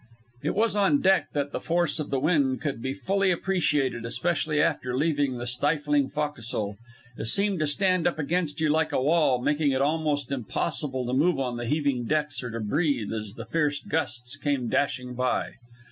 It was on deck that the force of the wind could be fully appreciated, especially after leaving the stifling fo'castle. It seemed to stand up against you like a wall, making it almost impossible to move on the heaving decks or to breathe as the fierce gusts came dashing by.